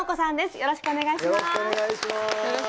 よろしくお願いします。